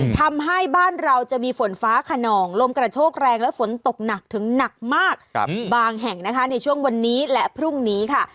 ทำให้บ้านเราจะมีฝนฟ้าขนองลมกระโชกแรงและฝนตกหนักถึงหนักมากบางแห่งนะคะในช่วงวันนี้และพรุ่งนี้ค่ะ